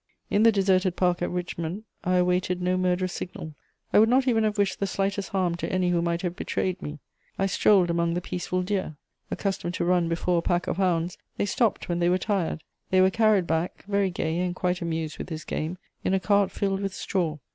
In the deserted park at Richmond I awaited no murderous signal, I would not even have wished the slightest harm to any who might have betrayed me. I strolled among the peaceful deer: accustomed to run before a pack of hounds, they stopped when they were tired; they were carried back, very gay and quite amused with this game, in a cart filled with straw.